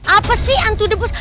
apa sih hantu de bus